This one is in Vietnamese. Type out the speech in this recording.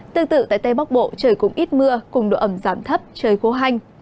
tương tự tại tây bắc bộ trời cũng ít mưa cùng độ ẩm giảm thấp trời khô hanh